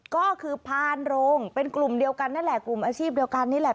ก็คือพานโรงเป็นกลุ่มเดียวกันนั่นแหละกลุ่มอาชีพเดียวกันนี่แหละ